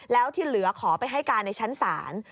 แล้วที่เหลือขอไปให้การในชั้นศาล